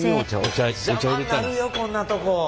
邪魔になるよこんなとこ。